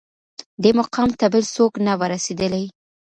دې مقام ته بل څوک نه وه رسېدلي